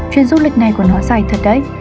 chuyên dục lịch này của nó dài thật đấy